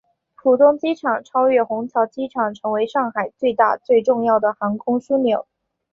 浦东机场超越虹桥机场成为上海最大最重要的航空枢纽。